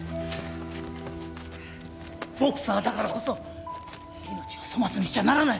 ボクサーだからこそ命を粗末にしちゃならない。